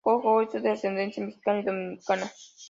JoJo es de ascendencia mexicana y dominicana.